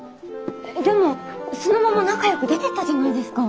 でもそのまま仲よく出て行ったじゃないですか。